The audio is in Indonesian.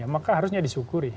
maka harusnya disyukuri